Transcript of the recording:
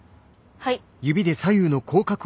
はい。